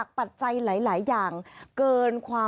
ค่ะคือเมื่อวานี้ค่ะ